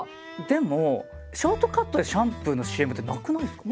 でもショートカットでシャンプーのＣＭってなくないですか？